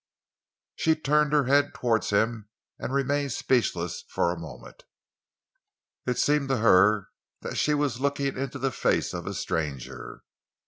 She turned her head towards him and remained speechless for a moment. It seemed to her that she was looking into the face of a stranger.